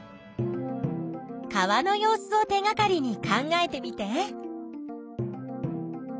川の様子を手がかりに考えてみて。